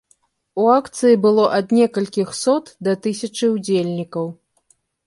У акцыі было ад некалькіх сот да тысячы ўдзельнікаў.